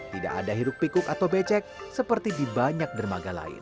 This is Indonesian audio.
tidak ada hiruk pikuk atau becek seperti di banyak dermaga lain